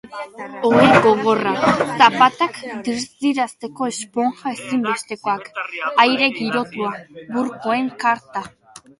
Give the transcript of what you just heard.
Ohe gogorra, zapatak dirdirarazteko esponja ezinbestekoak, aire girotua, burkoen karta.